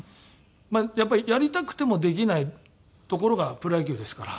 やっぱりやりたくてもできないところがプロ野球ですから。